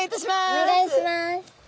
お願いします。